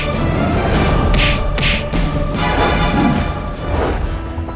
saya satu protect classwhen tengah